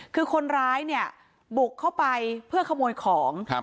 คือคนร้ายเนี่ยบุกเข้าไปเพื่อขโมยของ